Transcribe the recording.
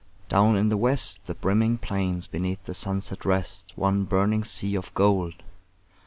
Down in the west The brimming plains beneath the sunset rest, One burning sea of gold.